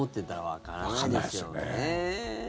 わからないですよね。